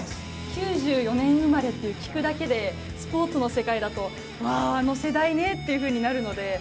９４年生まれって聞くだけで、スポーツの世界だとわー、あの世代ねっていうふうになるので。